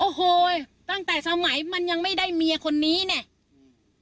โอ้โหตั้งแต่สมัยมันยังไม่ได้เมียคนนี้เนี่ย